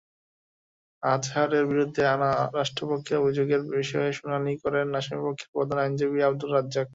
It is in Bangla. আজহারের বিরুদ্ধে আনা রাষ্ট্রপক্ষের অভিযোগের বিষয়ে শুনানি করেন আসামিপক্ষের প্রধান আইনজীবী আবদুর রাজ্জাক।